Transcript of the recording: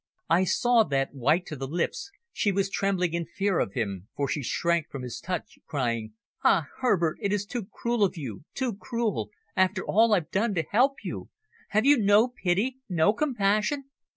I saw that, white to the lips, she was trembling in fear of him, for she shrank from his touch, crying "Ah, Herbert, it is too cruel of you too cruel after all I've done to help you. Have you no pity, no compassion?"